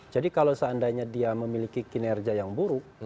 jadi kalau seandainya dia memiliki kinerja yang buruk